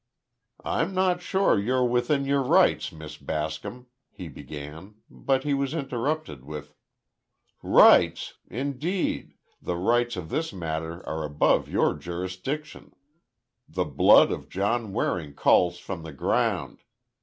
"I'm not sure you're within your rights, Miss Bascom," he began, but he was interrupted with: "Rights! Indeed, the rights of this matter are above your jurisdiction! The blood of John Waring calls from the ground!